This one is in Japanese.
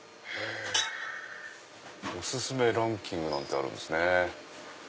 「おすすめランキング」なんてあるんですね。